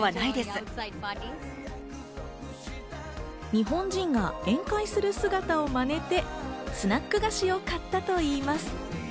日本人が宴会する姿をまねて、スナック菓子を買ったといいます。